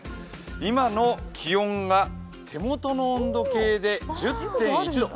今の気温が手元の温度計で１０．１度。